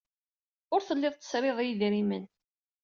Ur tellid tesrid i yedrimen.